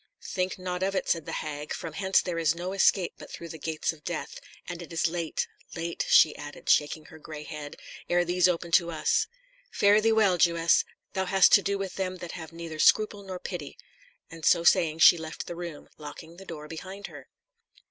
"Think not of it," said the hag, "from hence there is no escape but through the gates of death; and it is late, late," she added shaking her gray head, "ere these open to us. Fare thee well, Jewess! thou hast to do with them that have neither scruple nor pity." And so saying she left the room, locking the door behind her.